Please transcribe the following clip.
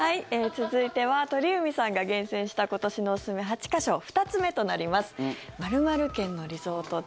続いては鳥海さんが厳選した今年のおすすめ８か所２つ目となります。